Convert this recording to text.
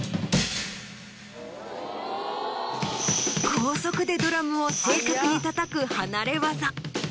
高速でドラムを正確にたたく離れ業。